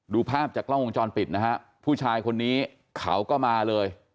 ภาพจากกล้องวงจรปิดนะฮะผู้ชายคนนี้เขาก็มาเลย